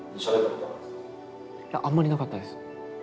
いやあんまりなかったです。